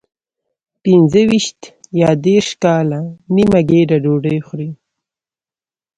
پنځه ویشت یا دېرش کاله نیمه ګېډه ډوډۍ خوري.